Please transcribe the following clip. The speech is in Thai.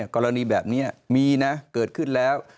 กรณีแบบนี้มีนะ